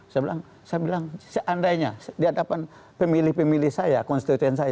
saya bilang seandainya di hadapan pemilih pemilih saya konstituen saya